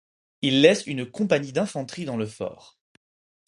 Il laisse une compagnie d'infanterie dans le fort.